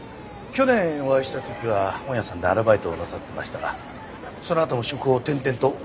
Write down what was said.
去年お会いした時は本屋さんでアルバイトをなさってましたがそのあとも職を転々となさっていたようですね。